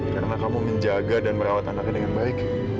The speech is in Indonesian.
karena kamu menjaga dan merawat anaknya dengan baik